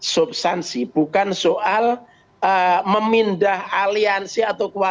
subsansi bukan soal memindah aliansi atau kumpulan